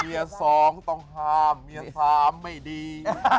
สองต้องห้ามเมียสามไม่ดี